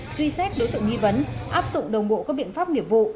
truy xét đối tượng nghi vấn áp dụng đồng bộ các biện pháp nghiệp vụ